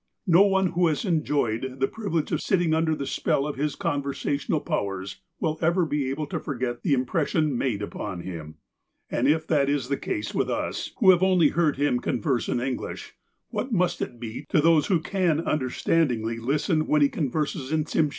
No one who has enjoyed the privilege of sitting under the spell of his conversational powers will ever be able to forget the impression made upon him. And if that is the case with us, who only have heard him converse in English, what must it be to those who can understand ingly listen when he converses in Tsimshean, the lan ^ He is only 5 feet 6^ inches tall.